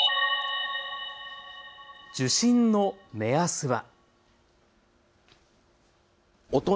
受診の目安は。